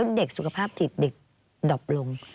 เป็นเด็กสุขภาพจิตเด็กดอบลง